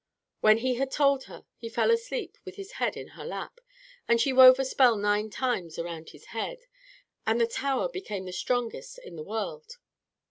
When he had told her, he fell asleep with his head in her lap, and she wove a spell nine times around his head, and the tower became the strongest in the world.